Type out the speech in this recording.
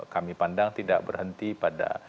kami pandang tidak berhenti pada